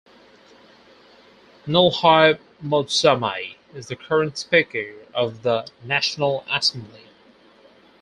Ntlhoi Motsamai is the current Speaker of the National Assembly.